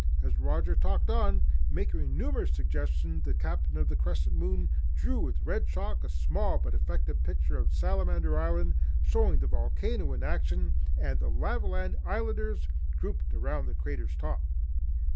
As Roger talked on, making numerous suggestions, the Captain of the Crescent Moon drew with red chalk a small but effective picture of Salamander Island showing the volcano in action and the Lavaland Islanders grouped around the crater's top.